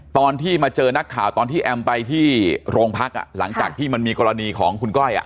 ตอนที่มาเจอนักข่าวตอนที่แอมไปที่โรงพักหลังจากที่มันมีกรณีของคุณก้อย